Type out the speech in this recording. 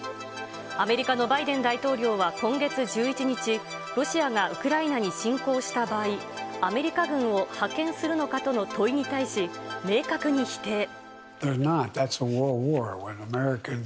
アメリカのバイデン大統領は今月１１日、ロシアがウクライナに侵攻した場合、アメリカ軍を派遣するのかとの問いに対し、明確に否定。